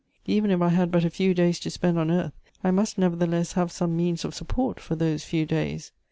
Even if I had but a few days to spend on earth, I must nevertheless have some means of support for those few days.